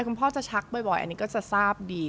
คุณพ่อจะชักบ่อยอันนี้ก็จะทราบดี